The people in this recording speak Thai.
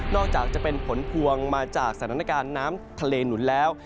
อกจากจะเป็นผลพวงมาจากสถานการณ์น้ำทะเลหนุนแล้ว